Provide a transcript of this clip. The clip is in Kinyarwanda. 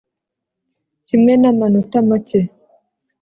kimwe na manota make